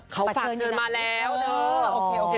เขาฝากเจอมาแล้วเนอะ